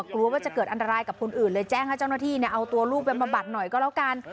กลัวว่าจะเกิดอันตรายกับคนอื่นเลยแจ้งให้เจ้าหน้าที่เอาตัวลูกไปบำบัดหน่อยก็แล้วกัน